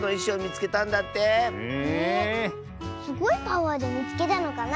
すごいパワーでみつけたのかな。